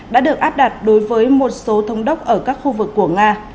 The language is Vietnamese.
đã được áp đặt đối với một số thống đốc ở các khu vực của nga